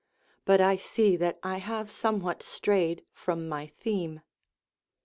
But I see that I have somewhat strayed from my theme.